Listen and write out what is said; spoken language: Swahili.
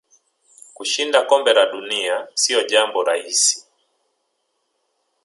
Kushinda kombe la dunia sio jambo rahisi